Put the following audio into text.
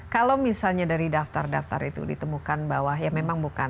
kalau misalnya dari daftar daftar itu ditemukan bahwa ya memang bukan